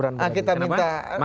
nah kita minta